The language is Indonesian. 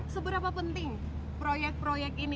seberapa penting proyek proyek ini